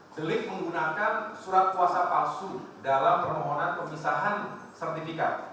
delik menggunakan surat kuasa palsu dalam permohonan pemisahan sertifikat